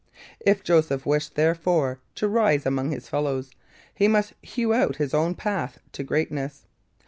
If Joseph wished, therefore, to rise among his fellows, he must hew out his own path to greatness.